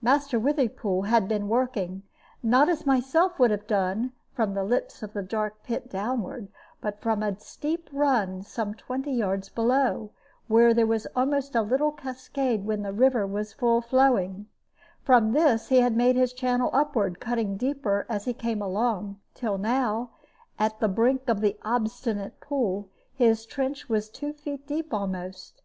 Master Withypool had been working, not as I myself would have done, from the lips of the dark pit downward, but from a steep run some twenty yards below, where there was almost a little cascade when the river was full flowing; from this he had made his channel upward, cutting deeper as he came along, till now, at the brink of the obstinate pool, his trench was two feet deep almost.